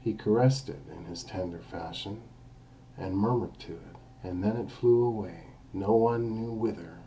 He caressed it in his tender fashion, and murmured to it, and then it flew away, no one knew whither.